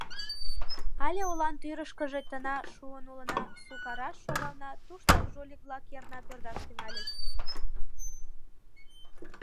Але олан тӱрышкыжӧ тына шуын улына, Сукараш шогална, туштак жулик-влак йырна пӧрдаш тӱҥальыч.